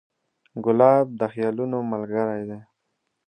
ګلاب د خیالونو ملګری دی.